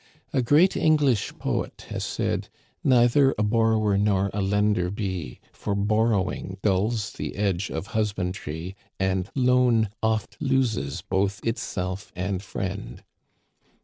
A great English poet has said :Neither a borrower nor a lender be. For borrowing dulls the edge of husbandry, And loan oft loses both itself and friend.